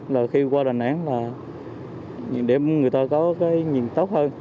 là khi qua đà nẵng là để người ta có cái nhìn tốt hơn